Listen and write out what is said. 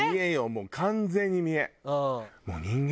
もう完全に見栄。